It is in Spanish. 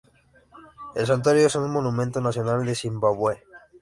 El santuario es un monumento nacional de Zimbabue.